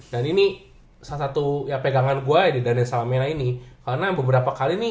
dan ini satu satu ya pegangan gue di daniel salamena ini karena beberapa kali nih